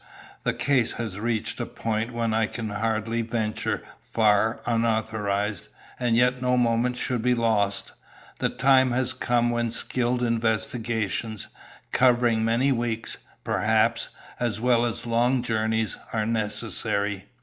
The case has reached a point when I can hardly venture far unauthorised, and yet no moment should be lost. The time has come when skilled investigations, covering many weeks, perhaps, as well as long journeys, are necessary.